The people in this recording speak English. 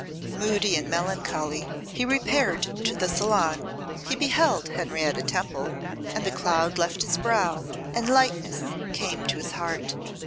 Moody and melancholy, he repaired to the salon; he beheld Henrietta Temple, and the cloud left his brow, and lightness came to his heart.